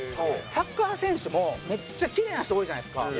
サッカー選手もめっちゃキレイな人多いじゃないですか。